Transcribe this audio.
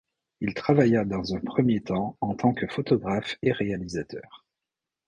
Il travailla dans un premier temps en tant que photographe et réalisateur.